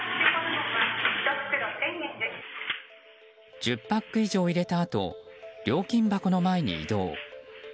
１０パック以上入れたあと料金箱の前に移動。